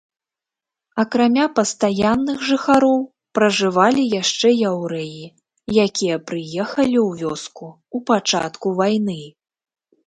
Акрамя пастаянных жыхароў, пражывалі яшчэ яўрэі, якія прыехалі ў вёску ў пачатку вайны.